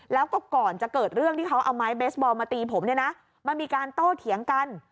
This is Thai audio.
แล้วก็ก่อนจะเกิดเรื่องที่เขาเอาไม้เบสบอลมาตีผมเนี่ยนะมันมีการโต้เถียงกัน